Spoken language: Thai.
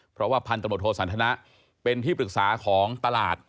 เพราะว่าพันตำรวจโทสันทนะเป็นที่ปรึกษาของตลาด